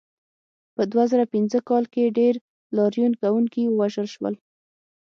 په دوه زره پنځه کال کې ډېر لاریون کوونکي ووژل شول.